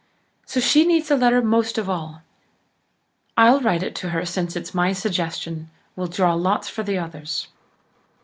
So she needs a letter most of all. I'll write to her, since it's my suggestion. We'll draw lots for the others."